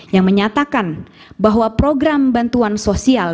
yang menyatakan bahwa program bantuan sosial